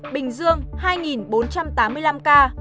bình dương hai bốn trăm tám mươi năm ca